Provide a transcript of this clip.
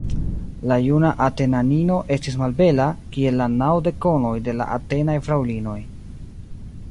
La juna Atenanino estis malbela, kiel la naŭ dekonoj de la Atenaj fraŭlinoj.